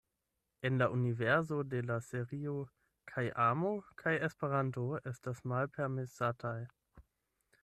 En la universo de la serio kaj amo kaj Esperanto estas malpermesataj.